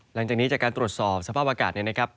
หลังจากนี้จากการตรวจสอบสภาพอากาศเนี่ยนะครับ